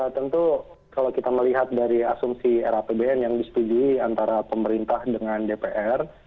tentu kalau kita melihat dari asumsi rapbn yang disetujui antara pemerintah dengan dpr